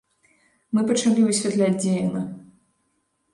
Мы пачалі высвятляць, дзе яна.